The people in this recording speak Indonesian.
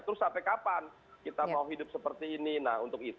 terus sampai kapan kita mau hidup seperti ini